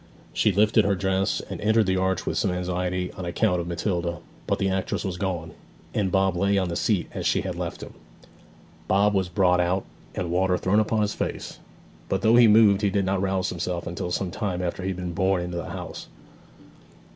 She lifted her dress and entered the arch with some anxiety on account of Matilda; but the actress was gone, and Bob lay on the seat as she had left him. Bob was brought out, and water thrown upon his face; but though he moved he did not rouse himself until some time after he had been borne into the house.